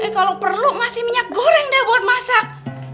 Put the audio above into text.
kalau perlu masih minyak goreng dah buat masak